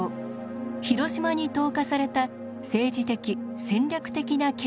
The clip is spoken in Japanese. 広島に投下された政治的戦略的な経緯など。